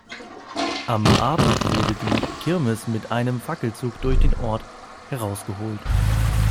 Am Abend wurde die Kirmes mit einem Fackelzug durch den Ort „herausgeholt“.